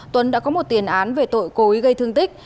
tuấn đã có một tiền án về tội cối gây thương tích